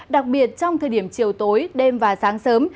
đặc biệt trong thời điểm chiều tối đêm và sáng sớm